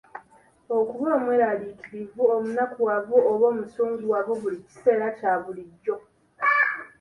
Okuba omweraliikirivu, omunakuwavu oba omusunguwavu buli kiseera kya bulijjo.